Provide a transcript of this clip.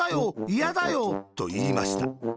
いやだよ。」と、いいました。